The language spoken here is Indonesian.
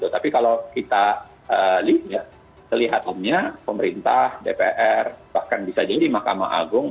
tapi kalau kita lihat kelihatannya pemerintah dpr bahkan bisa jadi mahkamah agung